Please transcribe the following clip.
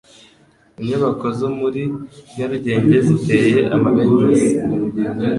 Inyubako zo muri nyarugenge ziteye amabengeza